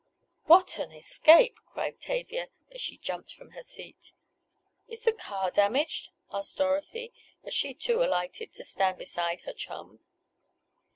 "What an escape!" cried Tavia as she jumped from her seat. "Is the car damaged?" asked Dorothy, as she too alighted to stand beside her chum.